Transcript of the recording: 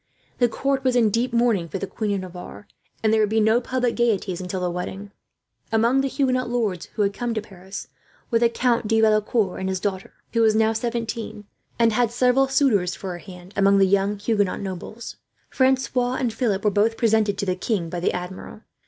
The court was in deep mourning for the Queen of Navarre, and there would be no public gaieties until the wedding. Among the Huguenot lords who had come to Paris were the Count de Valecourt and his daughter, who was now seventeen, and had several suitors for her hand among the young Huguenot nobles. Francois and Philip were both presented to the king by the Admiral.